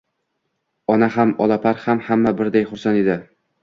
Ona ham, Olapar ham, hamma birday xursand edi